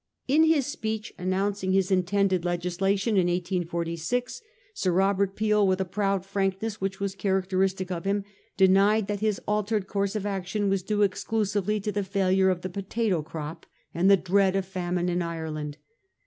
In his speech announcing his intended legis lation in 1846, Sir Robert Peel, with a proud frankness which was characteristic of him, denied that his al tered course of action was due exclusively to the failure of the potato crop and the dread of famine in Ireland.